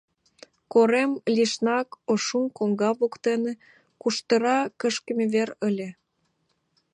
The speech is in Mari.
Корем лишнак, ошшун коҥга воктене, куштыра кышкыме вер ыле.